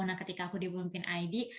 nah ketika aku di pemimpin id